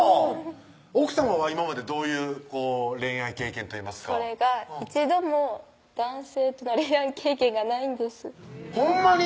奥さまは今までどういう恋愛経験といいますかそれが一度も男性との恋愛経験がないんですほんまに？